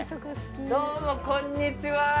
どうもこんにちは。